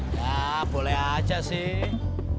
ya boleh aja sih